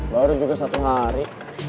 baru juga satu hari